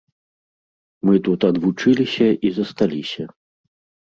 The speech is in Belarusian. Мы тут адвучыліся і засталіся.